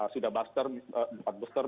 sudah dapat booster